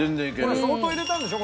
これ相当入れたんでしょ？